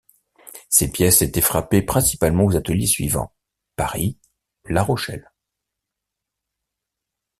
Ces pièces étaient frappées principalement aux ateliers suivants: Paris, La Rochelle.